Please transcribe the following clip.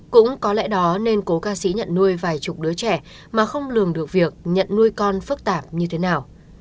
cũng có lẽ đó nên cố ca sĩ nhận nuôi vài chục đứa trẻ mà không lường được việc nhận nuôi con phức tạp như thế nào